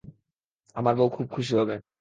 আমার বউ খুব খুশি হবে।